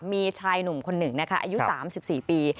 มีชายหนุ่มคนหนึ่งนะคะอายุ๓๔ปี